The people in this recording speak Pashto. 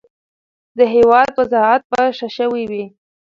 د هیواد وضعیت به ښه شوی وي.